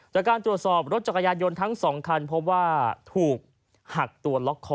จากการตรวจสอบรถจักรยานยนต์ทั้ง๒คันพบว่าถูกหักตัวล็อกคอ